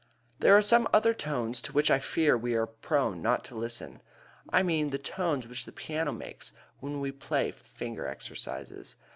There are some other tones to which I fear we are prone not to listen. I mean the tones which the piano makes when we play finger exercises.